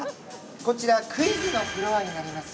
◆こちら、クイズのフロアになります。